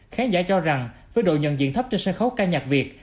khán giả cho rằng với độ nhận diện thấp trên sân khấu ca nhạc việt